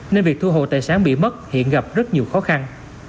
nên việc thu hồ tài sản bị mất hiện gặp rất nhiều khó khăn